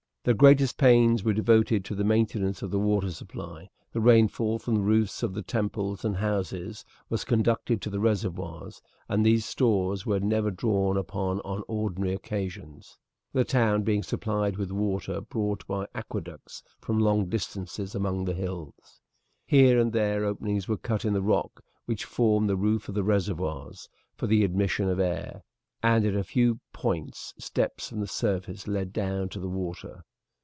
The greatest pains were devoted to the maintenance of the water supply. The rainfall from the roofs of the temples and houses was conducted to the reservoirs, and these stores were never drawn upon on ordinary occasions, the town being supplied with water brought by aqueducts from long distances among the hills. Here and there openings were cut in the rock which formed the roof of the reservoirs, for the admission of air, and at a few points steps from the surface led down to the water.